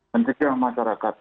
dan juga masyarakat